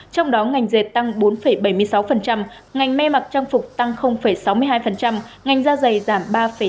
trong đó ngành dệt tăng bốn bảy mươi sáu ngành me mặc trang phục tăng sáu mươi hai ngành da dày giảm ba năm mươi sáu